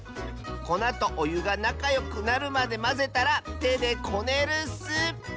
こなとおゆがなかよくなるまでまぜたらてでこねるッス！